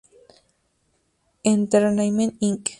Entertainment Inc.